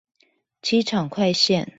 機場快線